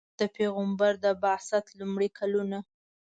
د پیغمبر د بعثت لومړي کلونه.